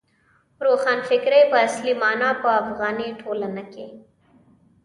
روښانفکرۍ په اصلي مانا په افغاني ټولنه کې.